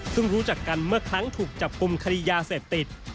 ซึ่งรู้จักกันเมื่อครั้งถูกจับกลุ่มคดียาเสพติด